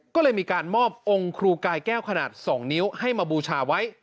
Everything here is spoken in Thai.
ก็เลยมีการมอบองค์ครูกายแก้วขนาด๒นิ้วให้มาบูชาไว้